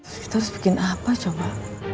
kita harus bikin apa coba